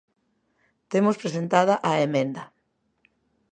Temos presentada a emenda.